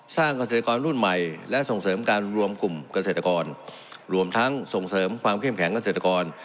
เกษตรกรรุ่นใหม่และส่งเสริมการรวมกลุ่มเกษตรกรรวมทั้งส่งเสริมความเข้มแข็งเกษตรกร